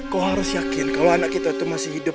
kau harus yakin kalau anak kita itu masih hidup